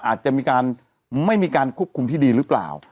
อาจจะมีการไม่มีการควบคุมที่ดีหรือเปล่า